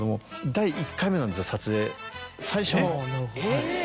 第１回目なんですよ撮影。